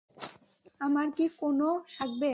আমার কী কোনও সাহায্য লাগবে?